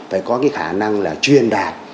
phải có cái khả năng là truyền đoạt